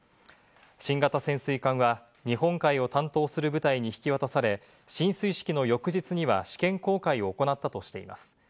新型潜水艦は日本海を担当する部隊に引き渡され、進水式の翌日には試験航海を行ったとしています。